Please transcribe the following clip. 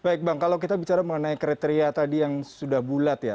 baik bang kalau kita bicara mengenai kriteria tadi yang sudah bulat ya